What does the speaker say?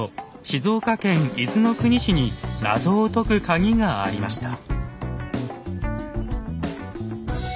静岡県伊豆の国市に謎を解くカギがありました。